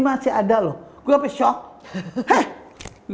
masih ada loh gue apa shock